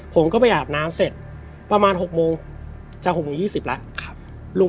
ผมก็ไปอาบน้ำเสร็จประมาณ๖โมง